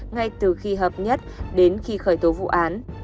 ngay từ khi hợp nhất đến khi khởi tố vụ án